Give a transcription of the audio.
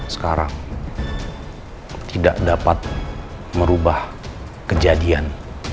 sekarang tidak dapat merubah kejadian